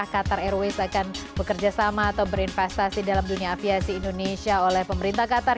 qatar airways akan bekerja sama atau berinvestasi dalam dunia aviasi indonesia oleh pemerintah qatar